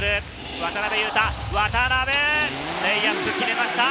渡邊、レイアップ決めました。